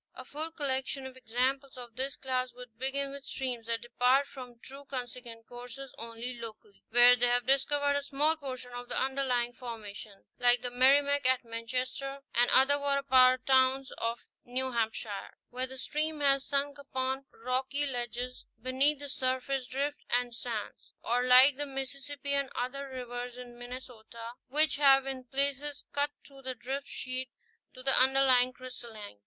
A full collection of examples of this class should begin with streams that depart from true consequent courses only locally, where they have discovered a small portion of the underlying formation, like the Merrimack at Manchester and other water power towns of New Hampshire, where the stream has sunk upon rocky ledges beneath the surface drift and sands; or like the Mississippi and other rivers in Minnesota which have in places cut through the drift sheet to the underlying crystallines.